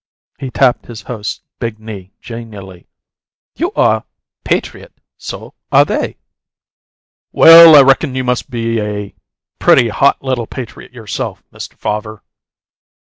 He tapped his host's big knee genially. "You are patriot; so are they." "Well, I reckon you must be a pretty hot little patriot yourself, Mr. Farver!"